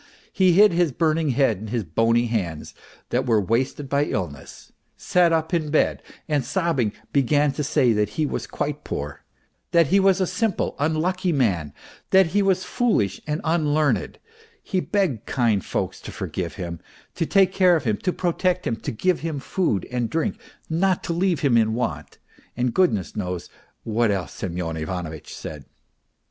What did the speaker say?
He hid his burning head in his bony hands that were wasted by illness, sat up in bed, and sobbing, began to say that he was quite poor, that he was a simple, unlucky man, that he was foolish and unlearned, he begged kind folks to forgive him, to take care of him, to protect him, to give him food and drink, not to leave him in want, and goodness knows what else Semyon Ivanovitch said.